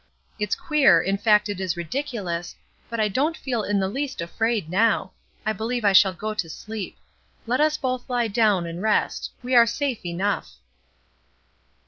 It's queer, in fact, it is ridiculous, but I don't feel in the least afraid now. I believe I shall go to sleep. Let us both lie down and rest. We are safe enough."